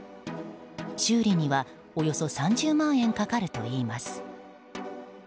修理には、およそ３０万円かかるといいます。